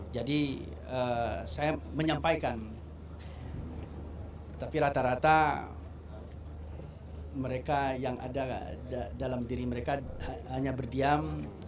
jadi saya menyampaikan tapi rata rata mereka yang ada dalam diri mereka hanya berdiam